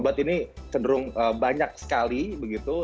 obat ini cenderung banyak sekali begitu